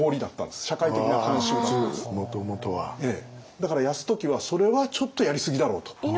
だから泰時はそれはちょっとやりすぎだろうと。